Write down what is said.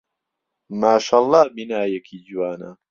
ماشەڵڵا بینایەکی جوانە.